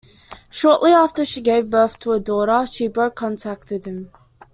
Shortly after she gave birth to a daughter, she broke contact with him.